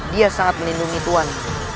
dia sangat melindungi tuhan